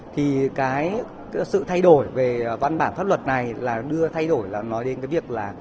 thì cái sự thay đổi về văn bản pháp luật này là đưa thay đổi là nói đến cái việc là